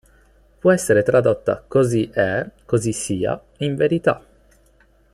Può essere tradotta "così è", "così sia", "in verità".